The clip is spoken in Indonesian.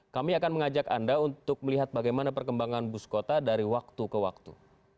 kami akan mengajak anda untuk melihat bagaimana perkembangan bus kota dari waktu ke waktu